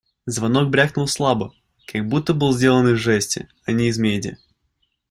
Звонок брякнул слабо, как будто был сделан из жести, а не из меди.